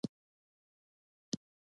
ایله مې زړه او ذهن ارامه شول.